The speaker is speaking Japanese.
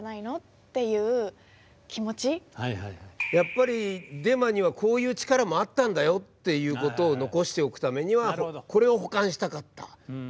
やっぱりデマにはこういう力もあったんだよっていうことを残しておくためにはこれを保管したかった。